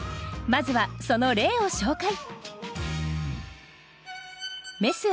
まずはその例を紹介。